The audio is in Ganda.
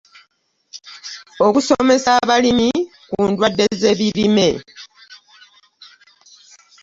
Okusomesa abalimi kuddwadde z'ebimere.